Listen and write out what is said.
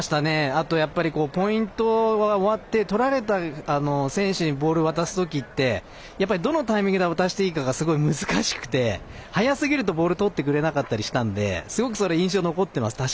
あと、ポイントが終わって取られた選手にボールを渡す時どのタイミングで渡していいかがすごい難しくて早すぎるとボールとってくれなかったりしたんですごく印象に残っています。